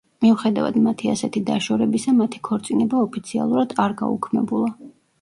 მიუხედავად მათი ასეთი დაშორებისა, მათი ქორწინება ოფიციალურად არ გაუქმებულა.